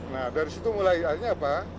nah dari situ mulai akhirnya apa